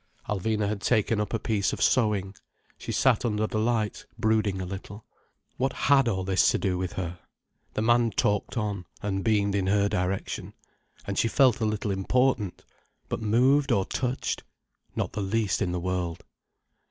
Alvina had taken up a piece of sewing. She sat under the light, brooding a little. What had all this to do with her. The man talked on, and beamed in her direction. And she felt a little important. But moved or touched?—not the least in the world.